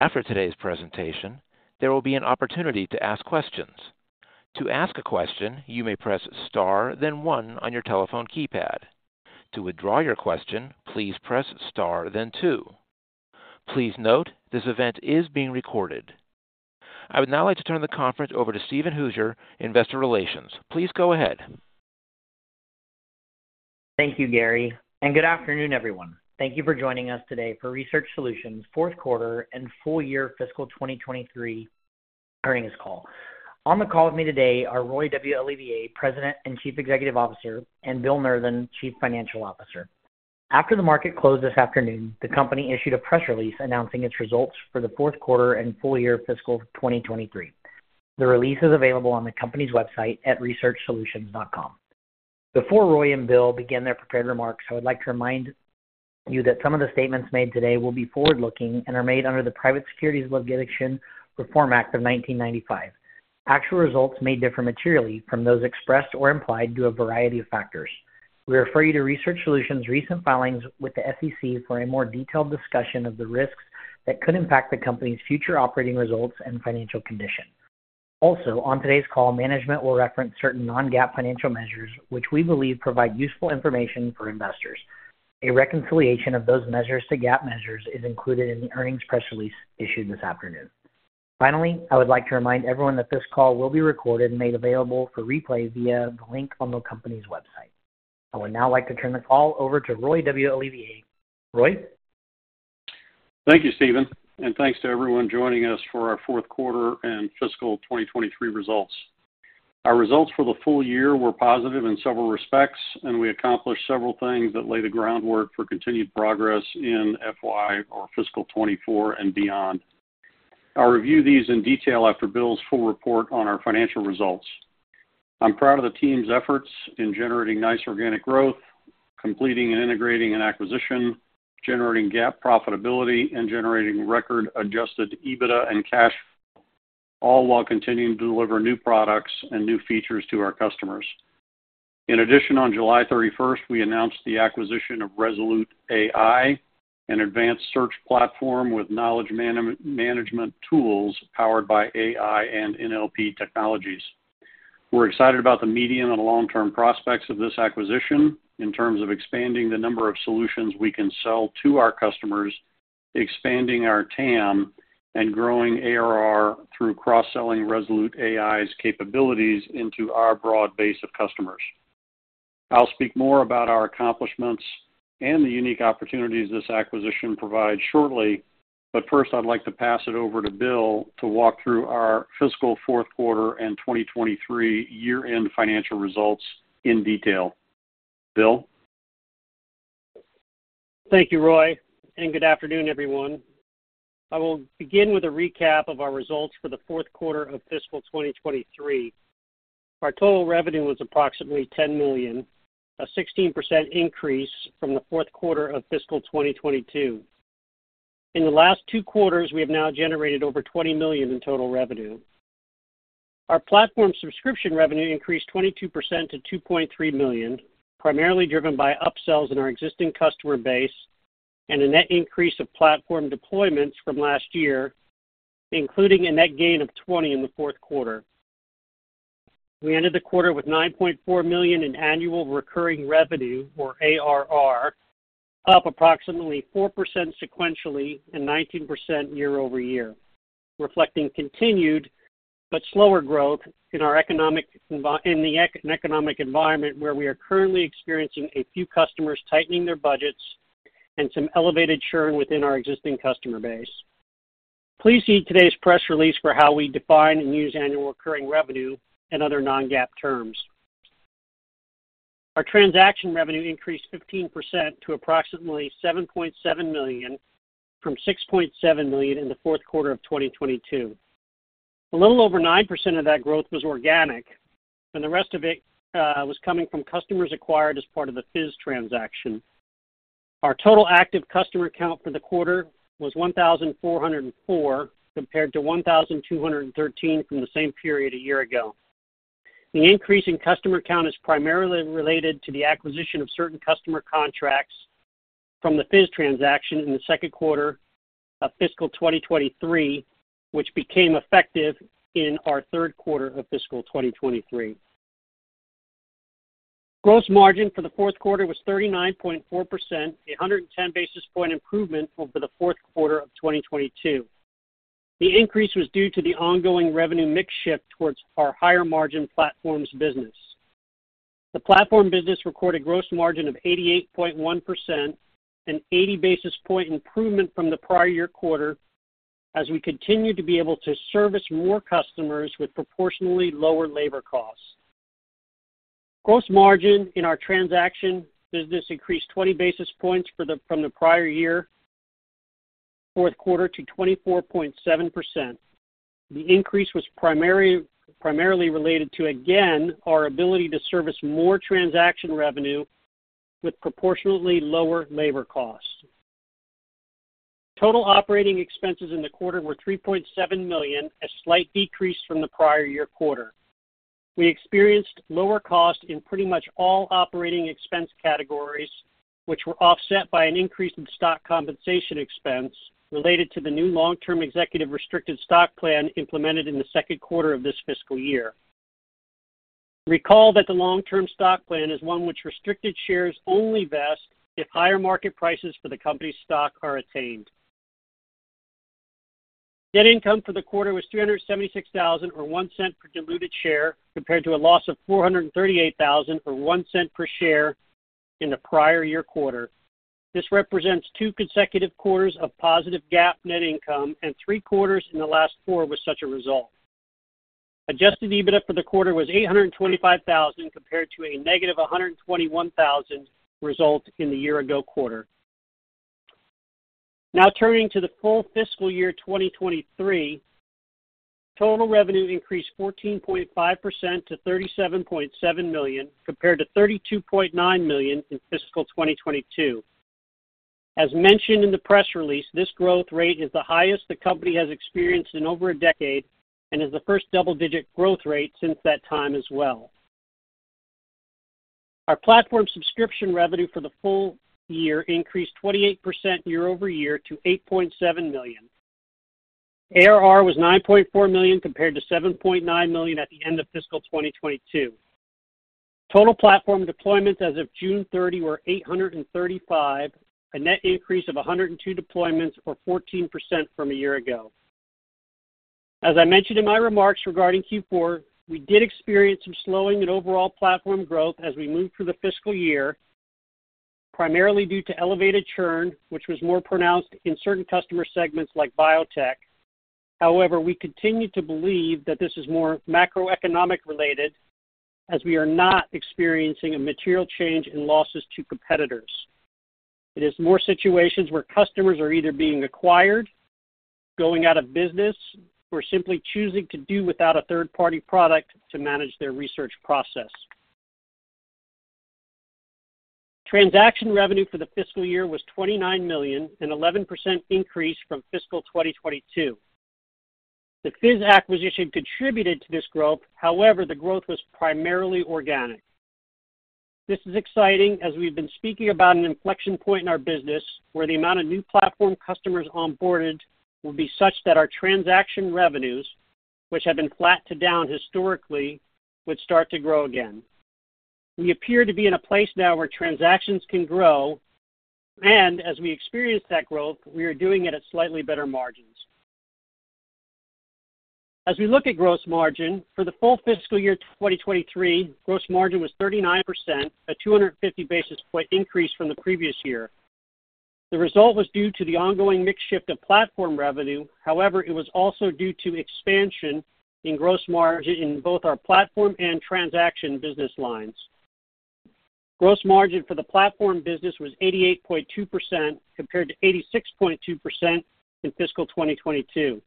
After today's presentation, there will be an opportunity to ask questions. To ask a question, you may press Star, then one on your telephone keypad. To withdraw your question, please press Star, then two. Please note, this event is being recorded. I would now like to turn the conference over to Steven Hooser, Investor Relations. Please go ahead. Thank you, Gary, and good afternoon, everyone. Thank you for joining us today for Research Solutions' fourth quarter and full year Fiscal 2024 earnings call. On the call with me today are Roy W. Olivier, President and Chief Executive Officer, and Bill Nurthen, Chief Financial Officer. After the market closed this afternoon, the company issued a press release announcing its results for the fourth quarter and full year fiscal 2023. The release is available on the company's website at researchsolutions.com. Before Roy and Bill begin their prepared remarks, I would like to remind you that some of the statements made today will be forward-looking and are made under the Private Securities Litigation Reform Act of 1995. Actual results may differ materially from those expressed or implied due to a variety of factors. We refer you to Research Solutions' recent filings with the SEC for a more detailed discussion of the risks that could impact the company's future operating results and financial condition. Also, on today's call, management will reference certain non-GAAP financial measures, which we believe provide useful information for investors. A reconciliation of those measures to GAAP measures is included in the earnings press release issued this afternoon. Finally, I would like to remind everyone that this call will be recorded and made available for replay via the link on the company's website. I would now like to turn the call over to Roy W. Olivier. Roy? Thank you, Steven, and thanks to everyone joining us for our fourth quarter and Fiscal 2023 results. Our results for the full year were positive in several respects, and we accomplished several things that lay the groundwork for continued progress in FY or fIscal 2024 and beyond. I'll review these in detail after Bill's full report on our financial results. I'm proud of the team's efforts in generating nice organic growth, completing and integrating an acquisition, generating GAAP profitability, and generating record adjusted EBITDA and cash flow, all while continuing to deliver new products and new features to our customers. In addition, on July 31st, we announced the acquisition of ResoluteAI, an advanced search platform with knowledge management tools powered by AI and NLP technologies. We're excited about the medium and long-term prospects of this acquisition in terms of expanding the number of solutions we can sell to our customers, expanding our TAM, and growing ARR through cross-selling ResoluteAI capabilities into our broad base of customers. I'll speak more about our accomplishments and the unique opportunities this acquisition provides shortly, but first, I'd like to pass it over to Bill to walk through our fiscal fourth quarter and 2023 year-end financial results in detail. Bill? Thank you, Roy, and good afternoon, everyone. I will begin with a recap of our results for the fourth quarter of fiscal 2023. Our total revenue was approximately $10 million, a 16% increase from the fourth quarter of fiscal 2022. In the last two quarters, we have now generated over $20 million in total revenue. Our platform subscription revenue increased 22% to $2.3 million, primarily driven by upsells in our existing customer base and a net increase of platform deployments from last year, including a net gain of 20 in the fourth quarter. We ended the quarter with $9.4 million in annual recurring revenue, or ARR, up approximately 4% sequentially and 19% year-over-year, reflecting continued but slower growth in our economic environment, where we are currently experiencing a few customers tightening their budgets and some elevated churn within our existing customer base. Please see today's press release for how we define and use annual recurring revenue and other non-GAAP terms. Our transaction revenue increased 15% to approximately $7.7 million, from $6.7 million in the fourth quarter of 2022. A little over 9% of that growth was organic, and the rest of it was coming from customers acquired as part of the FIZ transaction. Our total active customer count for the quarter was 1,404, compared to 1,213 from the same period a year ago. The increase in customer count is primarily related to the acquisition of certain customer contracts from the FIZ transaction in the second quarter of fiscal 2023, which became effective in our third quarter of fiscal 2023. Gross margin for the fourth quarter was 39.4%, a 110 basis point improvement over the fourth quarter of 2022. The increase was due to the ongoing revenue mix shift towards our higher margin platforms business. The platform business recorded gross margin of 88.1%, an 80 basis point improvement from the prior year quarter, as we continue to be able to service more customers with proportionally lower labor costs. Gross margin in our transaction business increased 20 basis points from the prior year fourth quarter to 24.7%. The increase was primarily related to, again, our ability to service more transaction revenue with proportionally lower labor costs. Total operating expenses in the quarter were $3.7 million, a slight decrease from the prior year quarter. We experienced lower costs in pretty much all operating expense categories, which were offset by an increase in stock compensation expense related to the new long-term executive restricted stock plan implemented in the second quarter of this fiscal year. Recall that the long-term stock plan is one which restricted shares only vest if higher market prices for the company's stock are attained. Net income for the quarter was $376,000, or $0.01 per diluted share, compared to a loss of $438,000, or $0.01 per share in the prior year quarter. This represents two consecutive quarters of positive GAAP net income and three quarters in the last four with such a result. Adjusted EBITDA for the quarter was $825,000, compared to a negative $121,000 result in the year-ago quarter. Now turning to the full Fiscal year 2023, total revenue increased 14.5% to $37.7 million, compared to $32.9 million in fiscal 2022. As mentioned in the press release, this growth rate is the highest the company has experienced in over a decade and is the first double-digit growth rate since that time as well. Our platform subscription revenue for the full year increased 28% year-over-year to $8.7 million. ARR was $9.4 million, compared to $7.9 million at the end of fiscal 2022. Total platform deployments as of June 30 were 835, a net increase of 102 deployments, or 14% from a year ago. As I mentioned in my remarks regarding Q4, we did experience some slowing in overall platform growth as we moved through the fiscal year, primarily due to elevated churn, which was more pronounced in certain customer segments like biotech. However, we continue to believe that this is more macroeconomic related, as we are not experiencing a material change in losses to competitors. It is more situations where customers are either being acquired, going out of business, or simply choosing to do without a third-party product to manage their research process. Transaction revenue for the fiscal year was $29 million, an 11% increase from fiscal 2022. The FIZ acquisition contributed to this growth. However, the growth was primarily organic. This is exciting, as we've been speaking about an inflection point in our business, where the amount of new platform customers onboarded will be such that our transaction revenues, which have been flat to down historically, would start to grow again. We appear to be in a place now where transactions can grow, and as we experience that growth, we are doing it at slightly better margins. As we look at gross margin, for the full fiscal year 2023, gross margin was 39%, a 250 basis point increase from the previous year. The result was due to the ongoing mix shift of platform revenue. However, it was also due to expansion in gross margin in both our platform and transaction business lines. Gross margin for the platform business was 88.2%, compared to 86.2% in fiscal 2022.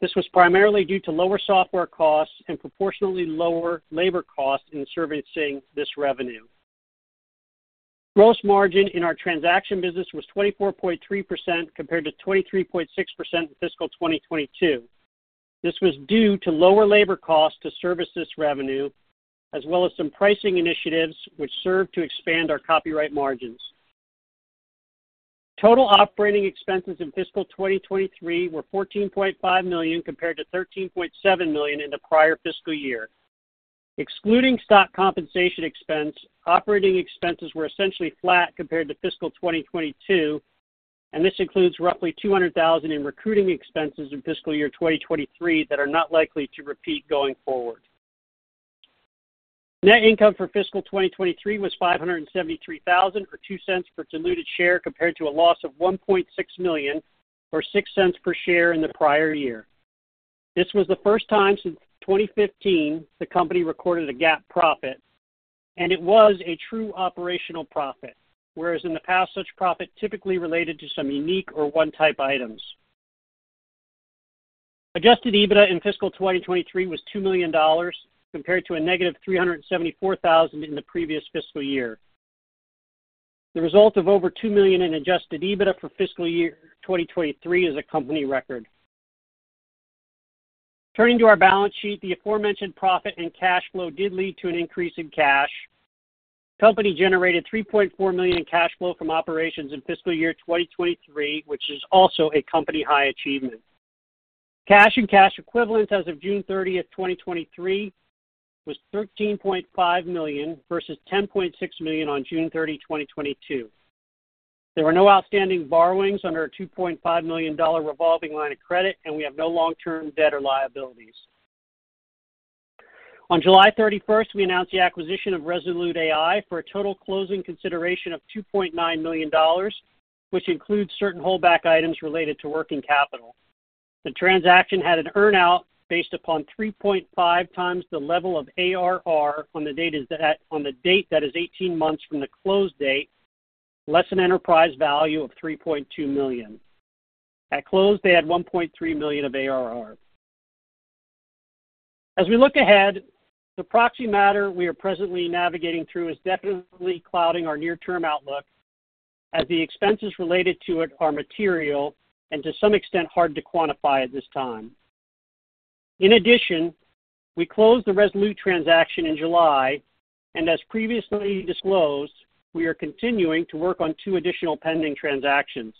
This was primarily due to lower software costs and proportionately lower labor costs in servicing this revenue. Gross margin in our transaction business was 24.3%, compared to 23.6% in fiscal 2022. This was due to lower labor costs to service this revenue, as well as some pricing initiatives which served to expand our copyright margins. Total operating expenses in fiscal 2023 were $14.5 million, compared to $13.7 million in the prior fiscal year. Excluding stock compensation expense, operating expenses were essentially flat compared to fiscal 2022, and this includes roughly $200,000 in recruiting expenses in fiscal year 2023 that are not likely to repeat going forward. Net income for fiscal 2023 was $573,000, or $0.02 per diluted share, compared to a loss of $1.6 million, or $0.06 per share in the prior year. This was the first time since 2015 the company recorded a GAAP profit, and it was a true operational profit, whereas in the past, such profit typically related to some unique or one-type items. Adjusted EBITDA in fiscal 2023 was $2 million, compared to -$374,000 in the previous fiscal year. The result of over $2 million in adjusted EBITDA for fiscal year 2023 is a company record. Turning to our balance sheet, the aforementioned profit and cash flow did lead to an increase in cash. The company generated $3.4 million in cash flow from operations in fiscal year 2023, which is also a company high achievement. Cash and cash equivalents as of June 30, 2023, was $13.5 million versus $10.6 million on June 30, 2022. There were no outstanding borrowings under our $2.5 million dollar revolving line of credit, and we have no long-term debt or liabilities. On July 31, we announced the acquisition of ResoluteAI for a total closing consideration of $2.9 million, which includes certain holdback items related to working capital. The transaction had an earn-out based upon 3.5x the level of ARR on the date that is 18 months from the close date, less an enterprise value of $3.2 million. At close, they had $1.3 million of ARR. As we look ahead, the proxy matter we are presently navigating through is definitely clouding our near-term outlook, as the expenses related to it are material and to some extent, hard to quantify at this time. In addition, we closed the ResoluteAI transaction in July, and as previously disclosed, we are continuing to work on two additional pending transactions.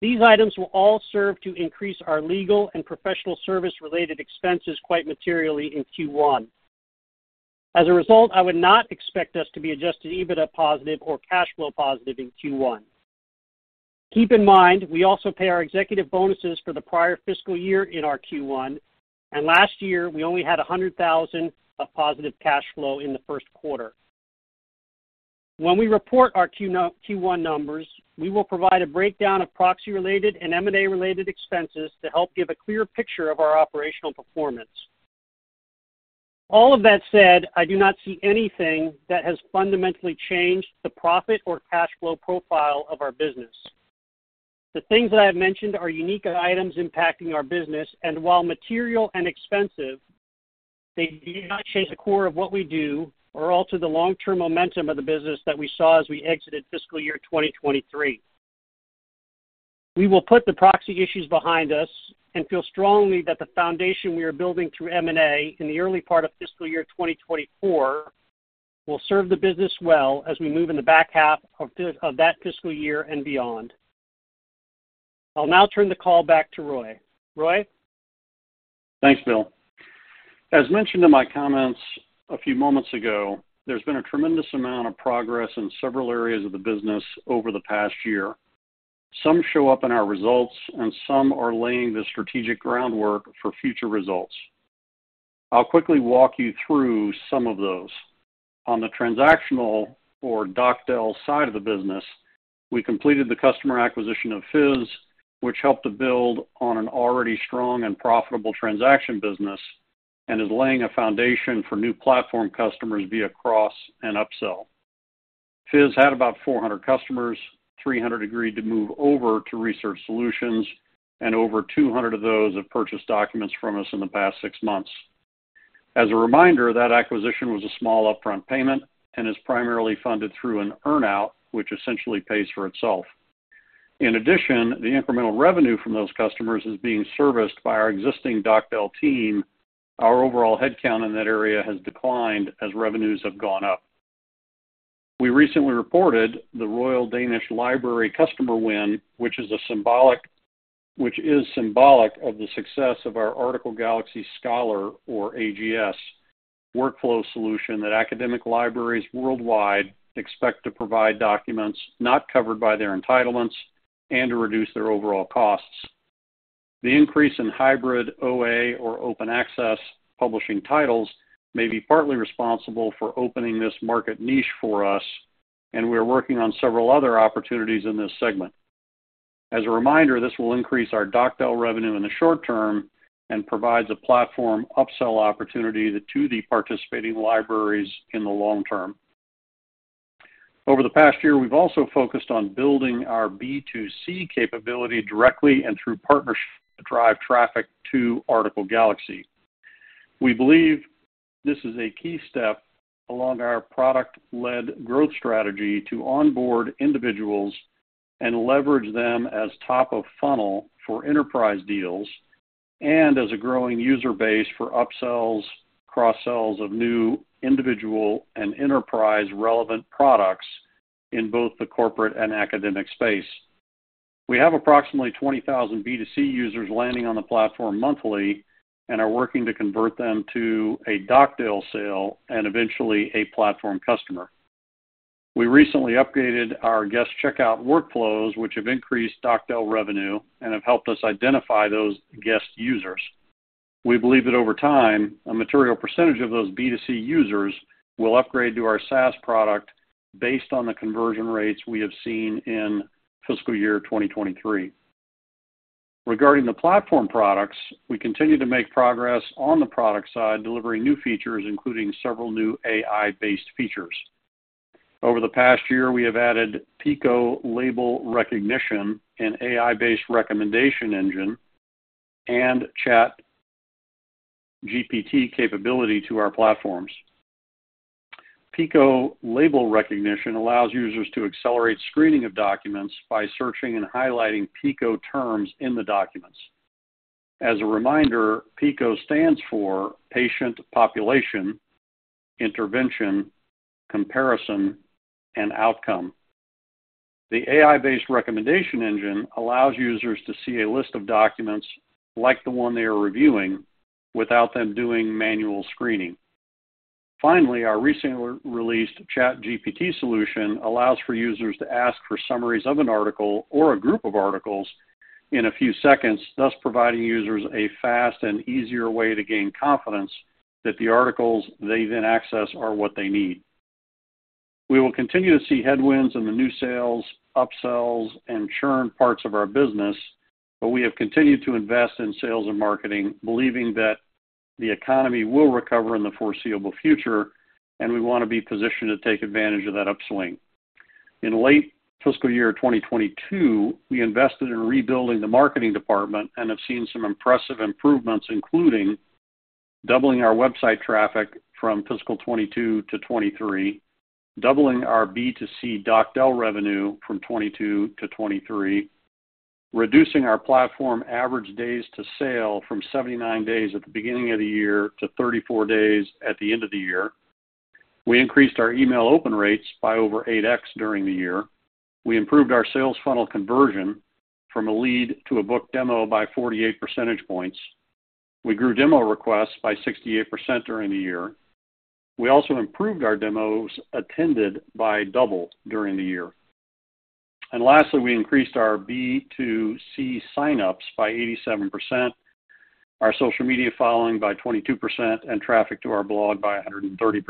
These items will all serve to increase our legal and professional service-related expenses quite materially in Q1. As a result, I would not expect us to be Adjusted EBITDA positive or cash flow positive in Q1. Keep in mind, we also pay our executive bonuses for the prior fiscal year in our Q1, and last year, we only had $100,000 of positive cash flow in the first quarter. When we report our Q1 numbers, we will provide a breakdown of proxy-related and M&A-related expenses to help give a clear picture of our operational performance. All of that said, I do not see anything that has fundamentally changed the profit or cash flow profile of our business. The things that I have mentioned are unique items impacting our business, and while material and expensive, they do not change the core of what we do or alter the long-term momentum of the business that we saw as we exited fiscal year 2023. We will put the proxy issues behind us and feel strongly that the foundation we are building through M&A in the early part of fiscal year 2024 will serve the business well as we move in the back half of of that fiscal year and beyond. I'll now turn the call back to Roy. Roy? Thanks, Bill. As mentioned in my comments a few moments ago, there's been a tremendous amount of progress in several areas of the business over the past year. Some show up in our results, and some are laying the strategic groundwork for future results. I'll quickly walk you through some of those. On the transactional or DocDel side of the business, we completed the customer acquisition of FIZ, which helped to build on an already strong and profitable transaction business and is laying a foundation for new platform customers via cross and upsell. FIZ had about 400 customers, 300 agreed to move over to Research Solutions, and over 200 of those have purchased documents from us in the past six months. As a reminder, that acquisition was a small upfront payment and is primarily funded through an earn-out, which essentially pays for itself. In addition, the incremental revenue from those customers is being serviced by our existing DocDel team. Our overall headcount in that area has declined as revenues have gone up. We recently reported the Royal Danish Library customer win, which is symbolic of the success of our Article Galaxy Scholar, or AGS, workflow solution that academic libraries worldwide expect to provide documents not covered by their entitlements and to reduce their overall costs. The increase in hybrid OA or open access publishing titles may be partly responsible for opening this market niche for us, and we are working on several other opportunities in this segment. As a reminder, this will increase our DocDel revenue in the short term and provides a platform upsell opportunity to the participating libraries in the long term. Over the past year, we've also focused on building our B2C capability directly and through partnerships to drive traffic to Article Galaxy. We believe this is a key step along our product-led growth strategy to onboard individuals and leverage them as top of funnel for enterprise deals and as a growing user base for upsells, cross-sells of new individual and enterprise-relevant products in both the corporate and academic space. We have approximately 20,000 B2C users landing on the platform monthly and are working to convert them to a DocDel sale and eventually a platform customer. We recently upgraded our guest checkout workflows, which have increased DocDel revenue and have helped us identify those guest users. We believe that over time, a material percentage of those B2C users will upgrade to our SaaS product based on the conversion rates we have seen in fiscal year 2023. Regarding the platform products, we continue to make progress on the product side, delivering new features, including several new AI-based features. Over the past year, we have added PICO label recognition, an AI-based recommendation engine, and ChatGPT capability to our platforms. PICO label recognition allows users to accelerate screening of documents by searching and highlighting PICO terms in the documents. As a reminder, PICO stands for Patient Population, Intervention, Comparison, and Outcome. The AI-based recommendation engine allows users to see a list of documents like the one they are reviewing without them doing manual screening. Finally, our recently released ChatGPT solution allows for users to ask for summaries of an article or a group of articles in a few seconds, thus providing users a fast and easier way to gain confidence that the articles they then access are what they need. We will continue to see headwinds in the new sales, upsells, and churn parts of our business, but we have continued to invest in sales and marketing, believing that the economy will recover in the foreseeable future, and we want to be positioned to take advantage of that upswing. In late fiscal year 2022, we invested in rebuilding the marketing department and have seen some impressive improvements, including... doubling our website traffic from fiscal 2022 to 2023, doubling our B2C DocDel revenue from 2022 to 2023, reducing our platform average days to sale from 79 days at the beginning of the year to 34 days at the end of the year. We increased our email open rates by over 8x during the year. We improved our sales funnel conversion from a lead to a booked demo by 48 percentage points. We grew demo requests by 68% during the year. We also improved our demos attended by double during the year. And lastly, we increased our B2C sign-ups by 87%, our social media following by 22%, and traffic to our blog by 130%.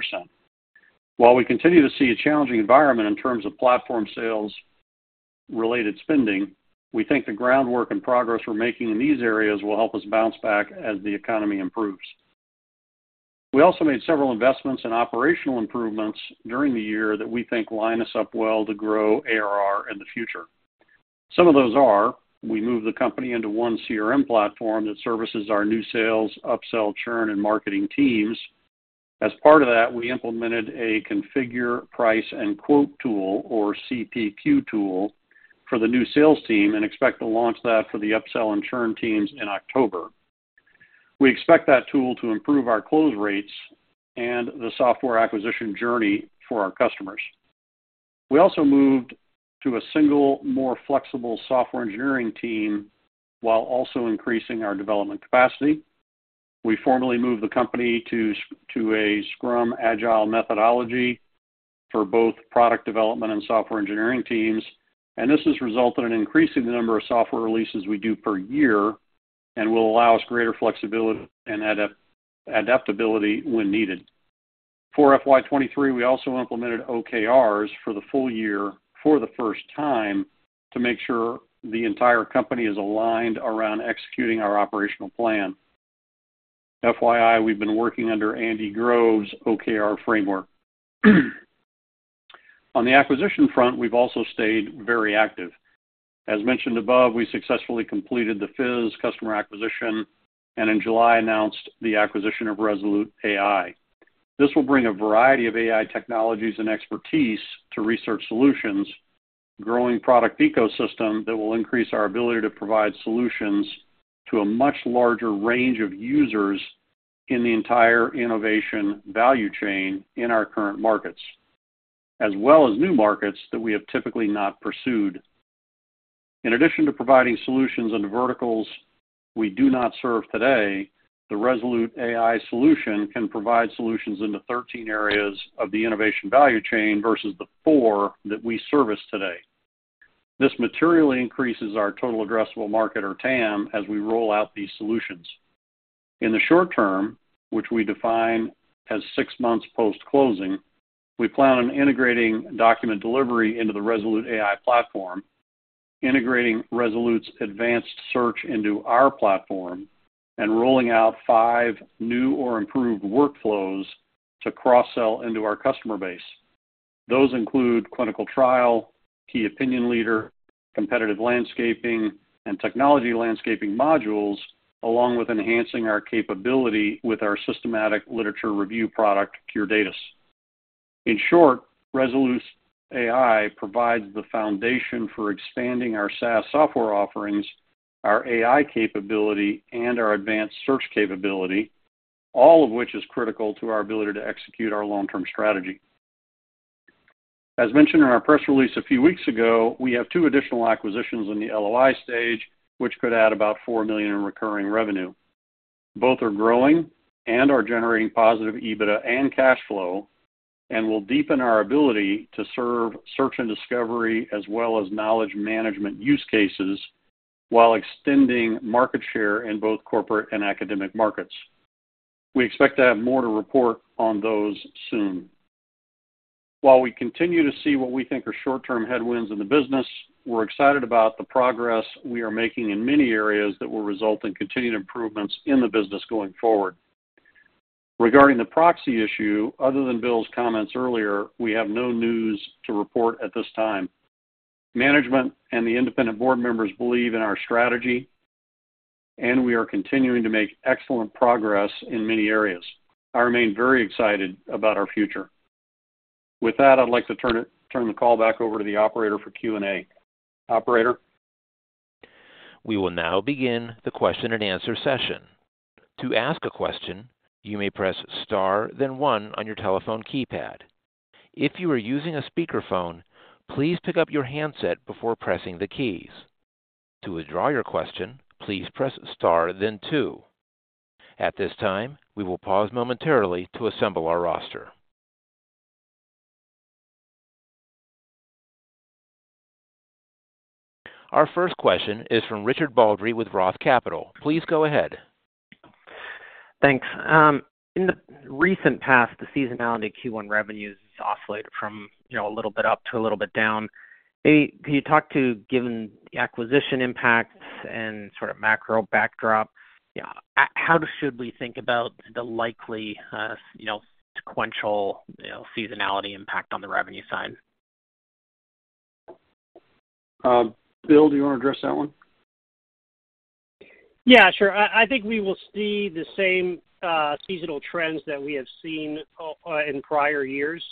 While we continue to see a challenging environment in terms of platform sales-related spending, we think the groundwork and progress we're making in these areas will help us bounce back as the economy improves. We also made several investments and operational improvements during the year that we think line us up well to grow ARR in the future. Some of those are: we moved the company into one CRM platform that services our new sales, upsell, churn, and marketing teams. As part of that, we implemented a configure, price, and quote tool, or CPQ tool, for the new sales team and expect to launch that for the upsell and churn teams in October. We expect that tool to improve our close rates and the software acquisition journey for our customers. We also moved to a single, more flexible software engineering team, while also increasing our development capacity. We formally moved the company to a Scrum Agile methodology for both product development and software engineering teams, and this has resulted in increasing the number of software releases we do per year and will allow us greater flexibility and adaptability when needed. For FY 2023, we also implemented OKRs for the full year for the first time to make sure the entire company is aligned around executing our operational plan. FYI, we've been working under Andy Grove's OKR framework. On the acquisition front, we've also stayed very active. As mentioned above, we successfully completed the FIZ customer acquisition and in July announced the acquisition of ResoluteAI. This will bring a variety of AI technologies and expertise to Research Solutions, growing product ecosystem that will increase our ability to provide solutions to a much larger range of users in the entire innovation value chain in our current markets, as well as new markets that we have typically not pursued. In addition to providing solutions into verticals we do not serve today, the ResoluteAI solution can provide solutions into 13 areas of the innovation value chain versus the four that we service today. This materially increases our total addressable market, or TAM, as we roll out these solutions. In the short term, which we define as six months post-closing, we plan on integrating document delivery into the ResoluteAI platform, integrating ResoluteAI's advanced search into our platform, and rolling out five new or improved workflows to cross-sell into our customer base. Those include clinical trial, key opinion leader, competitive landscaping, and technology landscaping modules, along with enhancing our capability with our systematic literature review product, Curedatis. In short, ResoluteAI provides the foundation for expanding our SaaS software offerings, our AI capability, and our advanced search capability, all of which is critical to our ability to execute our long-term strategy. As mentioned in our press release a few weeks ago, we have two additional acquisitions in the LOI stage, which could add about $4 million in recurring revenue. Both are growing and are generating positive EBITDA and cash flow and will deepen our ability to serve search and discovery, as well as knowledge management use cases, while extending market share in both corporate and academic markets. We expect to have more to report on those soon. While we continue to see what we think are short-term headwinds in the business, we're excited about the progress we are making in many areas that will result in continued improvements in the business going forward. Regarding the proxy issue, other than Bill's comments earlier, we have no news to report at this time. Management and the independent board members believe in our strategy, and we are continuing to make excellent progress in many areas. I remain very excited about our future. With that, I'd like to turn the call back over to the operator for Q&A. Operator? We will now begin the question-and-answer session. To ask a question, you may press Star, then one on your telephone keypad. If you are using a speakerphone, please pick up your handset before pressing the keys. To withdraw your question, please press Star then two. At this time, we will pause momentarily to assemble our roster. Our first question is from Richard Baldry with Roth Capital. Please go ahead. Thanks. In the recent past, the seasonality Q1 revenues has oscillated from, you know, a little bit up to a little bit down. Can you talk to, given the acquisition impacts and sort of macro backdrop, yeah, how should we think about the likely, you know, sequential, you know, seasonality impact on the revenue side?... Bill, do you want to address that one? Yeah, sure. I think we will see the same seasonal trends that we have seen in prior years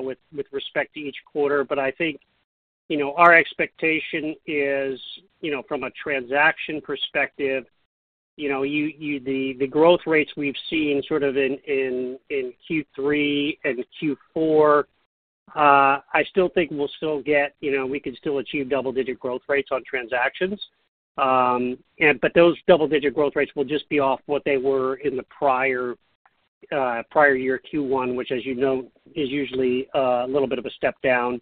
with respect to each quarter. But I think, you know, our expectation is, you know, from a transaction perspective, you know, the growth rates we've seen sort of in Q3 and Q4. I still think we'll still get, you know, we can still achieve double-digit growth rates on transactions. And but those double-digit growth rates will just be off what they were in the prior year Q1, which, as you know, is usually a little bit of a step down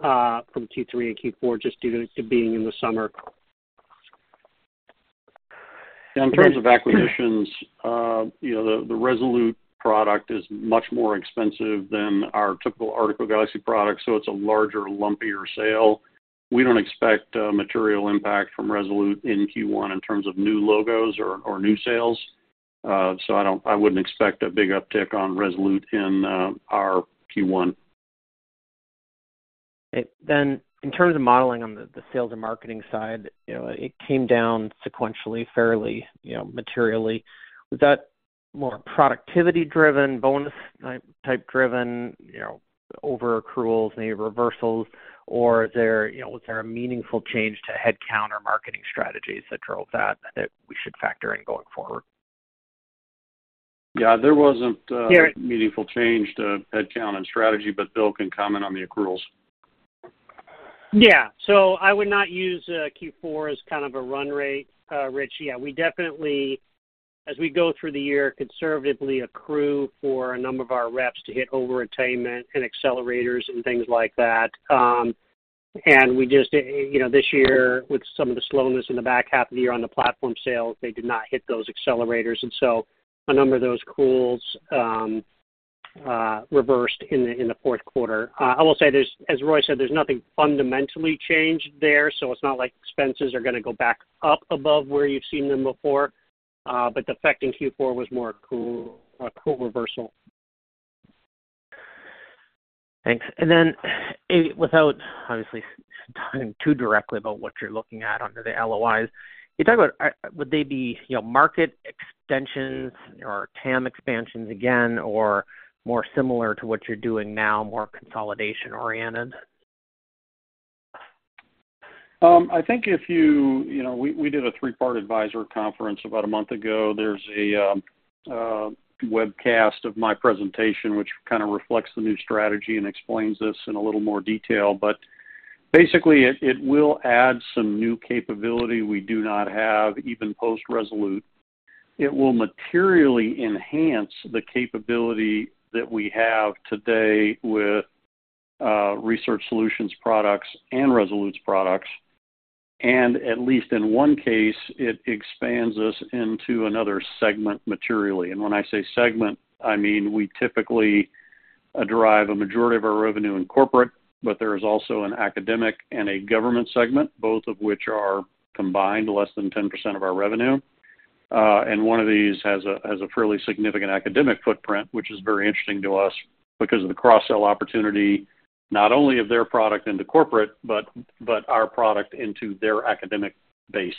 from Q3 and Q4, just due to being in the summer. And in terms of acquisitions, you know, the Resolute product is much more expensive than our typical Article Galaxy product, so it's a larger, lumpier sale. We don't expect material impact from Resolute in Q1 in terms of new logos or, or new sales. So I don't -- I wouldn't expect a big uptick on Resolute in our Q1. In terms of modeling on the sales and marketing side, you know, it came down sequentially, fairly, you know, materially. Was that more productivity driven, bonus type driven, you know, over accruals, maybe reversals, or is there, you know, was there a meaningful change to headcount or marketing strategies that drove that, that we should factor in going forward? Yeah, there wasn't a- Yeah- meaningful change to headcount and strategy, but Bill can comment on the accruals. Yeah. So I would not use Q4 as kind of a run rate, Rich. Yeah, we definitely, as we go through the year, conservatively accrue for a number of our reps to hit over attainment and accelerators and things like that. And we just, you know, this year, with some of the slowness in the back half of the year on the platform sales, they did not hit those accelerators, and so a number of those accruals reversed in the fourth quarter. I will say, there's, as Roy said, there's nothing fundamentally changed there, so it's not like expenses are going to go back up above where you've seen them before. But the effect in Q4 was more accrual reversal. Thanks. And then without obviously talking too directly about what you're looking at under the LOIs, you talk about, would they be, you know, market extensions or TAM expansions again, or more similar to what you're doing now, more consolidation-oriented? I think if you—you know, we, we did a Three Part Advisors conference about a month ago. There's a webcast of my presentation, which kind of reflects the new strategy and explains this in a little more detail. But basically, it, it will add some new capability we do not have, even post-Resolute. It will materially enhance the capability that we have today with, Research Solutions products and Resolute's products, and at least in one case, it expands us into another segment materially. And when I say segment, I mean, we typically derive a majority of our revenue in corporate, but there is also an academic and a government segment, both of which are combined less than 10% of our revenue. One of these has a fairly significant academic footprint, which is very interesting to us because of the cross-sell opportunity, not only of their product into corporate, but our product into their academic base.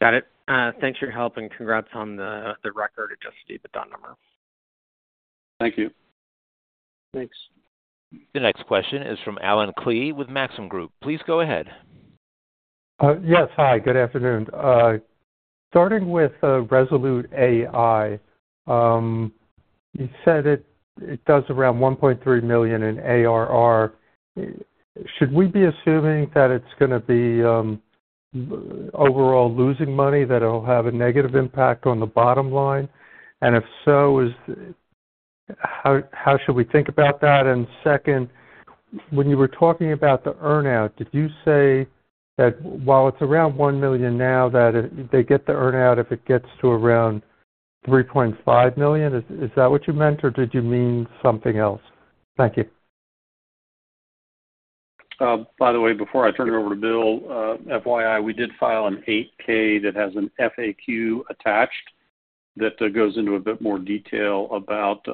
Got it. Thanks for your help, and congrats on the record adjusted EBITDA number. Thank you. Thanks. The next question is from Allen Klee with Maxim Group. Please go ahead. Yes. Hi, good afternoon. Starting with Resolute AI, you said it does around $1.3 million in ARR. Should we be assuming that it's going to be overall losing money, that it'll have a negative impact on the bottom line? And if so, how should we think about that? And second, when you were talking about the earn-out, did you say that while it's around $1 million now, that they get the earn-out if it gets to around $3.5 million? Is that what you meant, or did you mean something else? Thank you. By the way, before I turn it over to Bill, FYI, we did file an 8-K that has an FAQ attached, that, goes into a bit more detail about the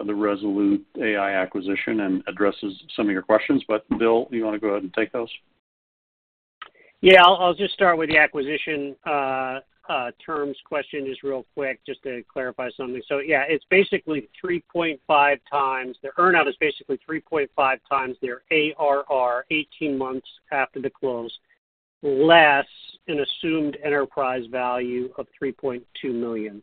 ResoluteAI acquisition and addresses some of your questions. But Bill, do you want to go ahead and take those? Yeah. I'll just start with the acquisition terms question, just real quick, just to clarify something. So yeah, it's basically 3.5 times the earn-out is basically 3.5 times their ARR, 18 months after the close, less an assumed enterprise value of $3.2 million.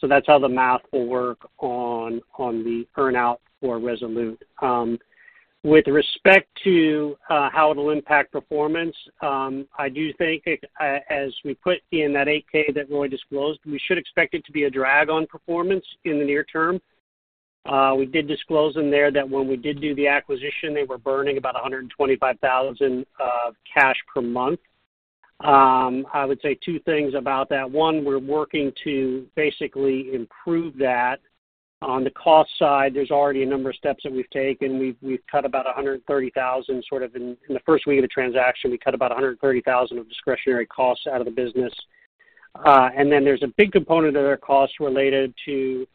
So that's how the math will work on the earn-out for Resolute. With respect to how it'll impact performance, I do think, as we put in that 8-K that Roy disclosed, we should expect it to be a drag on performance in the near term. We did disclose in there that when we did do the acquisition, they were burning about $125,000 cash per month. I would say two things about that. One, we're working to basically improve that. On the cost side, there's already a number of steps that we've taken. We've cut about $130,000, sort of in the first week of the transaction, we cut about $130,000 of discretionary costs out of the business. And then there's a big component of their costs related to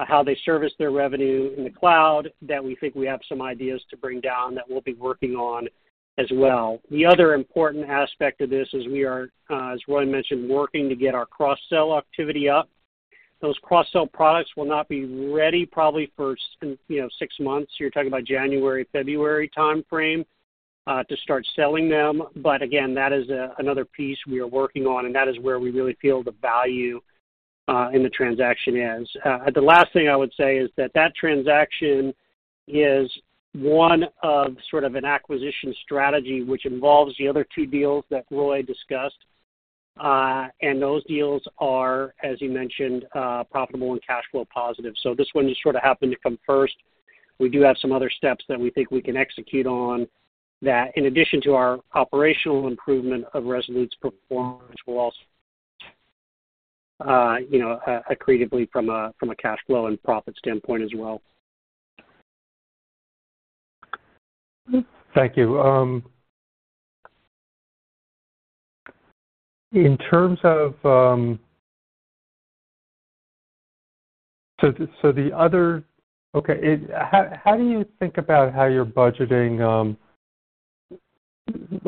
how they service their revenue in the cloud that we think we have some ideas to bring down that we'll be working on as well. The other important aspect of this is we are, as Roy mentioned, working to get our cross-sell activity up. Those cross-sell products will not be ready probably for, you know, 6 months. You're talking about January, February timeframe, to start selling them. But again, that is another piece we are working on, and that is where we really feel the value in the transaction is. The last thing I would say is that that transaction is one of sort of an acquisition strategy, which involves the other two deals that Roy discussed. Those deals are, as you mentioned, profitable and cash flow positive. So this one just sort of happened to come first. We do have some other steps that we think we can execute on that, in addition to our operational improvement of Resolute's performance, will also, you know, accretively from a cash flow and profit standpoint as well. Thank you. How do you think about how you're budgeting,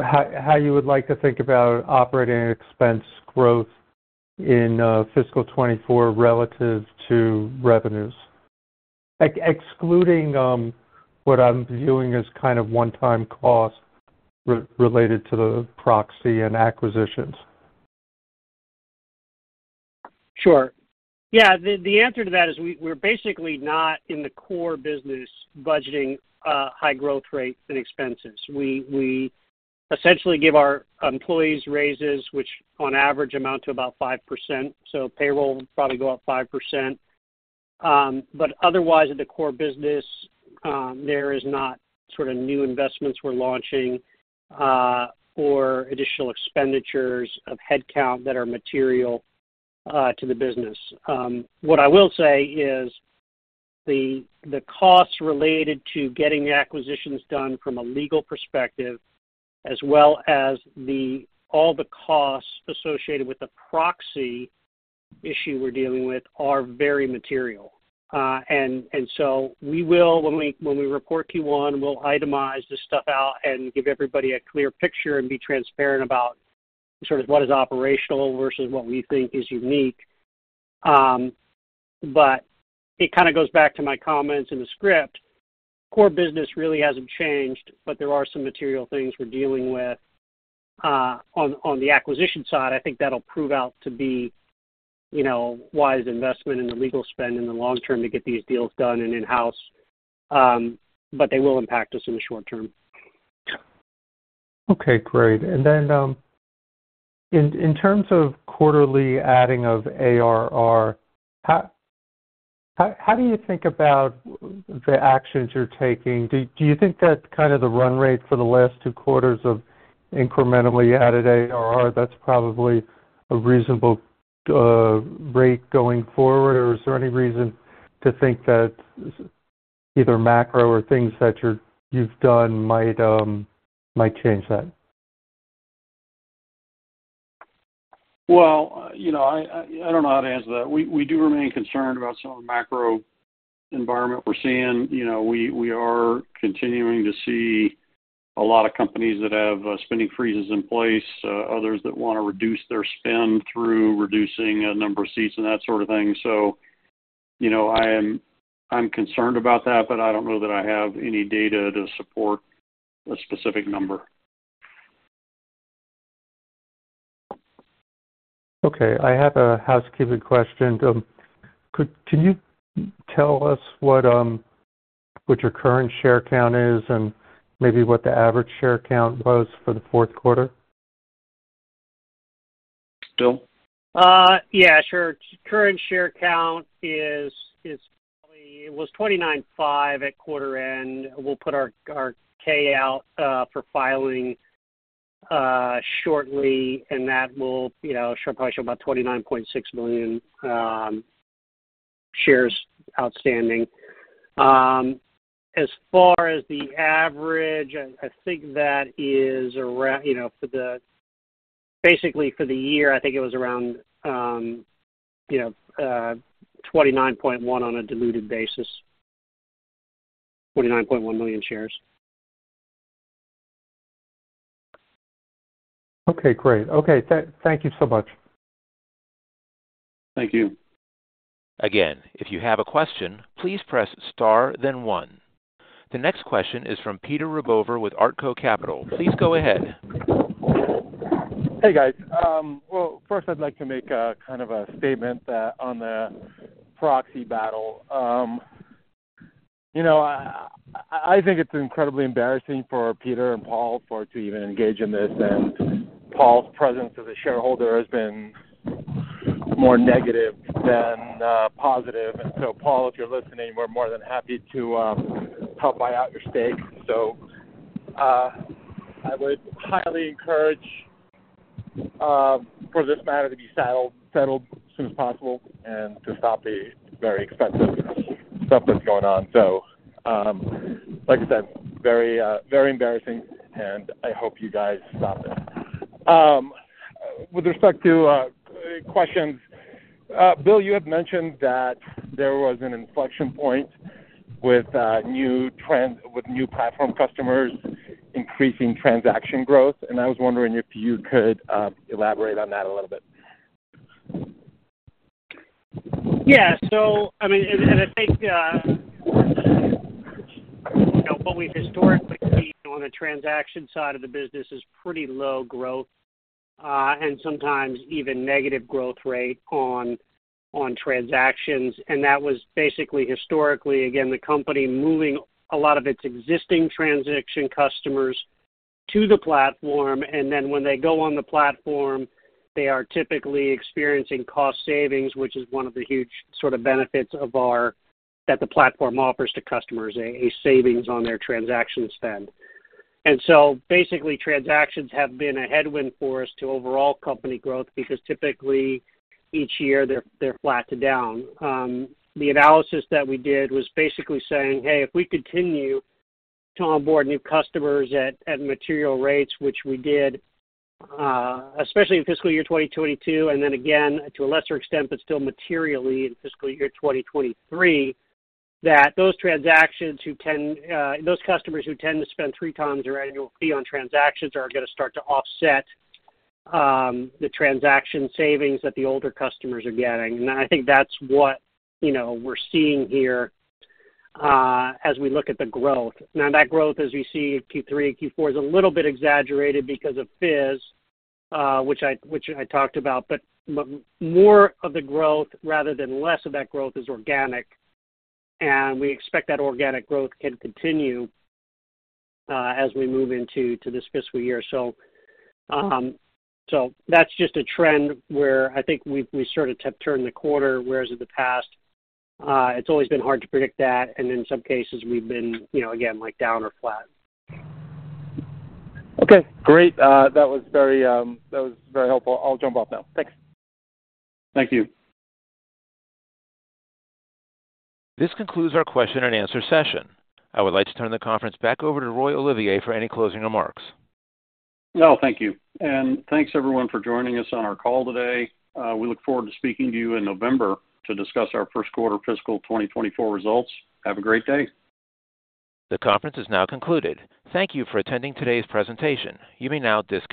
how you would like to think about operating expense growth in fiscal 2024 relative to revenues? Excluding what I'm viewing as kind of one-time costs related to the proxy and acquisitions. Sure. Yeah, the answer to that is we're basically not in the core business budgeting high growth rates and expenses. We essentially give our employees raises, which on average amount to about 5%, so payroll will probably go up 5%. But otherwise, at the core business, there is not sort of new investments we're launching or additional expenditures of headcount that are material to the business. What I will say is the costs related to getting the acquisitions done from a legal perspective, as well as all the costs associated with the proxy issue we're dealing with, are very material. And so we will, when we report Q1, we'll itemize this stuff out and give everybody a clear picture and be transparent about sort of what is operational versus what we think is unique. But it kind of goes back to my comments in the script. Core business really hasn't changed, but there are some material things we're dealing with. On the acquisition side, I think that'll prove out to be, you know, wise investment in the legal spend in the long term to get these deals done and in-house. But they will impact us in the short term. Okay, great. And then in terms of quarterly adding of ARR, how do you think about the actions you're taking? Do you think that's kind of the run rate for the last two quarters of incrementally added ARR, that's probably a reasonable rate going forward? Or is there any reason to think that either macro or things that you're- you've done might change that? Well, you know, I don't know how to answer that. We do remain concerned about some of the macro environment we're seeing. You know, we are continuing to see a lot of companies that have spending freezes in place, others that want to reduce their spend through reducing a number of seats and that sort of thing. So, you know, I'm concerned about that, but I don't know that I have any data to support a specific number. Okay, I have a housekeeping question. Can you tell us what, what your current share count is, and maybe what the average share count was for the fourth quarter? Bill? Yeah, sure. Current share count is probably it was 29.5 at quarter end. We'll put our K out for filing shortly, and that will, you know, show probably about 29.6 million shares outstanding. As far as the average, I think that is around, you know, for the... Basically for the year, I think it was around twenty-nine point one on a diluted basis. 29.1 million shares. Okay, great. Okay. Thank you so much. Thank you. Again, if you have a question, please press Star, then One. The next question is from Peter Rabover with Artko Capital. Please go ahead. Hey, guys. Well, first I'd like to make a kind of a statement that on the proxy battle. You know, I think it's incredibly embarrassing for Peter and Paul for to even engage in this, and Paul's presence as a shareholder has been more negative than positive. And so, Paul, if you're listening, we're more than happy to help buy out your stake. So, I would highly encourage for this matter to be settled as soon as possible and to stop the very expensive stuff that's going on. Like I said, very embarrassing, and I hope you guys stop it. With respect to questions, Bill, you had mentioned that there was an inflection point with new platform customers increasing transaction growth, and I was wondering if you could elaborate on that a little bit. Yeah. So I mean, and I think, you know, what we've historically seen on the transaction side of the business is pretty low growth, and sometimes even negative growth rate on transactions. And that was basically historically, again, the company moving a lot of its existing transaction customers to the platform, and then when they go on the platform, they are typically experiencing cost savings, which is one of the huge sort of benefits of our—that the platform offers to customers, a savings on their transaction spend. And so basically, transactions have been a headwind for us to overall company growth because typically, each year, they're flat to down. The analysis that we did was basically saying, "Hey, if we continue to onboard new customers at material rates," which we did, especially in fiscal year 2022, and then again, to a lesser extent, but still materially in fiscal year 2023, that those customers who tend to spend three times their annual fee on transactions are going to start to offset the transaction savings that the older customers are getting. And I think that's what, you know, we're seeing here, as we look at the growth. Now, that growth, as we see in Q3 and Q4, is a little bit exaggerated because of FIZ, which I talked about. But more of the growth rather than less of that growth is organic, and we expect that organic growth to continue, as we move into this fiscal year. So, so that's just a trend where I think we've, we sort of turned the corner, whereas in the past, it's always been hard to predict that, and in some cases we've been, you know, again, like down or flat. Okay, great. That was very helpful. I'll jump off now. Thanks. Thank you. This concludes our question and answer session. I would like to turn the conference back over to Roy Olivier for any closing remarks. Well, thank you. And thanks, everyone, for joining us on our call today. We look forward to speaking to you in November to discuss our first quarter fiscal 2024 results. Have a great day. The conference is now concluded. Thank you for attending today's presentation. You may now disconnect.